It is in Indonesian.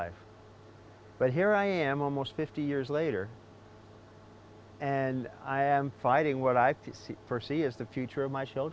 apakah kita memiliki kemampuan untuk menginspirasi orang saya pikir kita memiliki